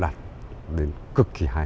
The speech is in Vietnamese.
đặt đến cực kỳ hay